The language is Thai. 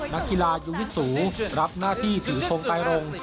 นักกีฬายูวิสูรับหน้าที่ถือทงไตรง